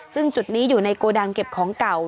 ซึ่งจุดนี้อยู่ในโกดังเก็บของเก่า